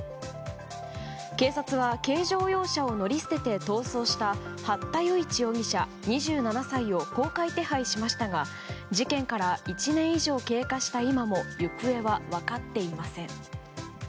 警察は軽乗用車を乗り捨てて逃走した八田與一容疑者、２７歳を公開手配しましたが事件から１年以上経過した今も行方は分かっていません。